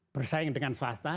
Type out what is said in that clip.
bersaing dengan swasta